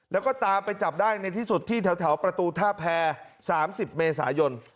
แล้วก็ตามไปจับได้ในที่สุดที่แถวประตูท่าแพร๓๐เมษายน